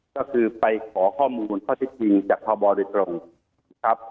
ก็คือไปขอข้อมูลข้อเท็จจริงจากพบโดยตรงนะครับ